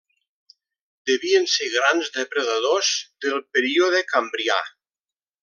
Devien ser grans depredadors del període Cambrià.